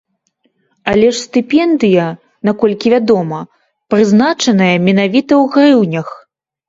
Але ж стыпендыя, наколькі вядома, прызначаная менавіта ў грыўнях?